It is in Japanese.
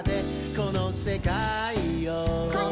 「このせかいを」